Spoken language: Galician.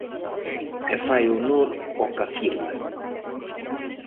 E fai honor ao que afirma.